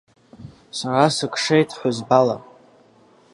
Сара сыкшеит ҳәызбала!